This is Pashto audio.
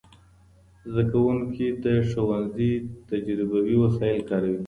زدهکوونکي د ښوونځي تجربوي وسایل کاروي.